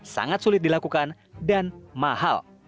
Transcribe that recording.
sangat sulit dilakukan dan mahal